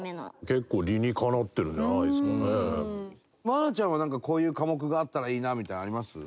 愛菜ちゃんはなんかこういう科目があったらいいなみたいなのあります？